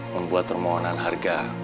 membuat permohonan harga